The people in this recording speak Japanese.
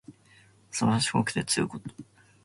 すばしこくて強いこと。